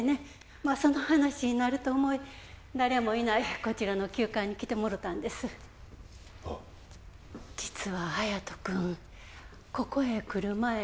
まあその話になると思い誰もいないこちらの旧館に来てもろたんですはあ実は隼人君ここへ来る前